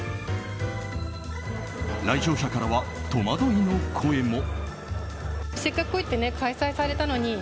来場者からは戸惑いの声も。